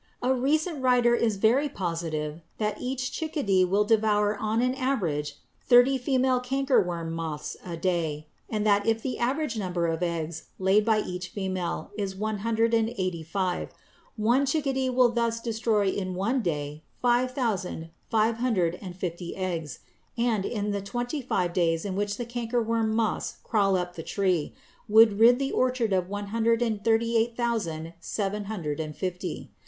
A recent writer is very positive that each chickadee will devour on an average thirty female cankerworm moths a day; and that if the average number of eggs laid by each female is one hundred and eighty five, one chickadee would thus destroy in one day five thousand five hundred and fifty eggs, and, in the twenty five days in which the cankerworm moths crawl up the tree, would rid the orchard of one hundred and thirty eight thousand seven hundred and fifty.